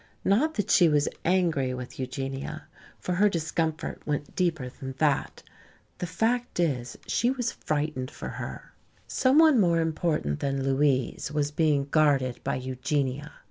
Not that she was angry with Eugenia, for her discomfort went deeper than that. The fact is she was frightened for her. Some one more important than "Louise" was being guarded by Eugenia.